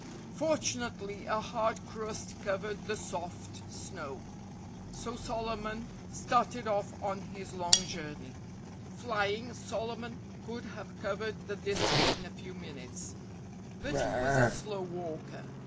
Fortunately, a hard crust covered the soft snow. So Solomon started off on his long journey. Flying, Solomon could have covered the distance in a few minutes. But he was a slow walker.